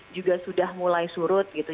juga sudah mulai surut gitu